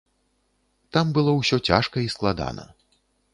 Там было ўсё цяжка і складана.